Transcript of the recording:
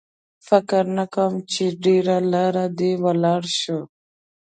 فکر نه کوم چې ډېره لار دې ولاړ شو.